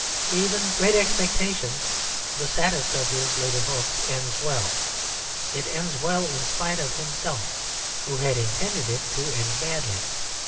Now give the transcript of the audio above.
Even Great Expectations, the saddest of his later books, ends well; it ends well in spite of himself, who had intended it to end badly.